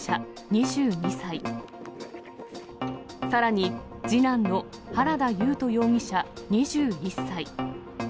２２歳、さらに次男の原田優斗容疑者２１歳。